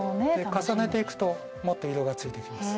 重ねていくともっと色がついていきます。